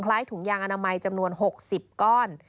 ถุงยางอนามัยจำนวน๖๐ก้อน